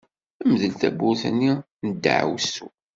Mdel tawwurt-nni n ddeɛwessu!